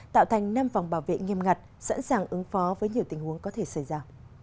tạo thành năm phòng bảo vệ nghiêm ngặt sẵn sàng ứng phó với nhiều tình huống có thể xảy ra